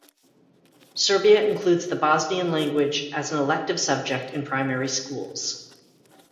Serbia includes the Bosnian language as an elective subject in primary schools.